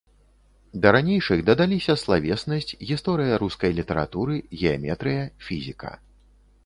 Да ранейшых дадаліся славеснасць, гісторыя рускай літаратуры, геаметрыя, фізіка.